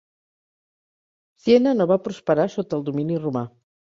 Siena no va prosperar sota el domini romà.